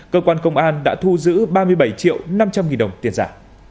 cơ quan công an đã thu giữ ba mươi bảy triệu năm trăm linh nghìn đồng tiền giả